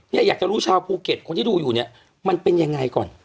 อยากจะรู้ชาวภูเก็ตคนที่ดูอยู่เนี่ยมันเป็นยังไงก่อน